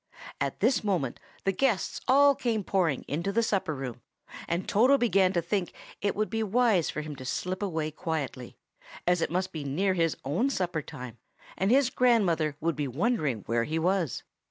At this moment the guests all came pouring into the supper room; and Toto began to think that it would be wise for him to slip away quietly, as it must be near his own supper time, and his grandmother would be wondering where he was.